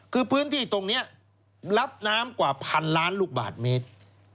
คือพื้นที่ตรงนี้รับน้ำกว่าพันล้านลูกบาทเมตร